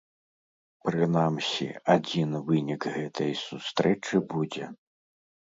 Прынамсі, адзін вынік гэтай сустрэчы будзе.